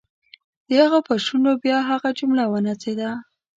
د هغه پر شونډو بیا هغه جمله ونڅېده.